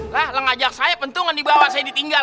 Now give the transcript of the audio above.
lah lo ngajak saya pentungan dibawah saya ditinggal